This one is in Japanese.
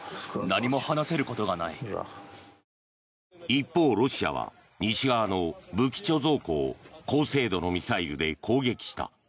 一方、ロシアは西側の武器貯蔵庫を高精度のミサイルで攻撃した。